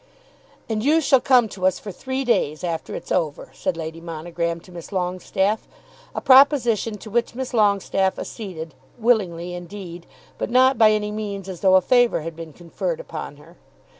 "And you shall come to us for three days, after it's over," said Lady Monogram to Miss Longestaffe; a proposition to which Miss Longestaffe acceded, willingly indeed, but not by any means as though a favour had been conferred upon her.